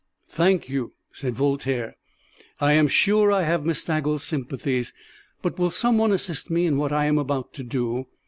"Thank you," said Voltaire. "I am sure I have Miss Staggles' sympathies, but will some one assist me in what I am about to do?